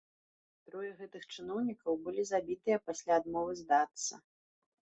Трое гэтых чыноўнікаў былі забітыя пасля адмовы здацца.